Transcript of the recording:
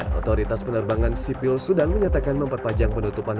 sebelumnya otoritas penerbangan sipil sudah menyatakan memperpanjang penutupan